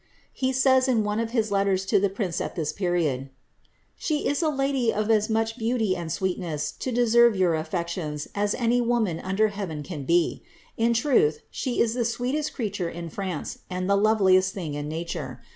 He says, in one of his letters to the prince at this period—^ She is a lady of as much beauty and sweetness to deserve your affections as any voman under heaven can be ; in truth, she is the sweetest creature in Fraace, and the loveliest thing in nature.